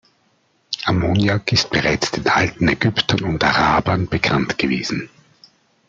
Ammoniak ist bereits den alten Ägyptern und Arabern bekannt gewesen.